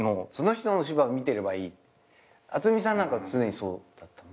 渥美さんなんか常にそうだった。